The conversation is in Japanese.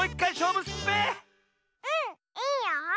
うんいいよ。